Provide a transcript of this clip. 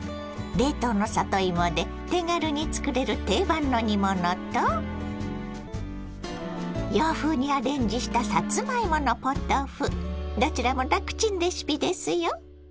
冷凍の里芋で手軽に作れる定番の煮物と洋風にアレンジしたどちらも楽ちんレシピですよ。